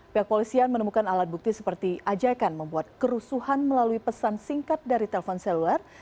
pihak polisian menemukan alat bukti seperti ajakan membuat kerusuhan melalui pesan singkat dari telpon seluler